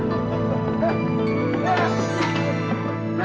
aku tak bisa teman